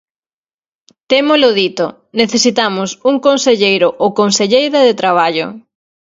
Témolo dito: necesitamos un conselleiro ou conselleira de Traballo.